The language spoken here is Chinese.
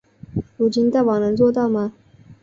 如今大王能做到吗？